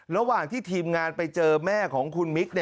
ระหว่างที่ทีมงานไปเจอแม่ของคุณมิก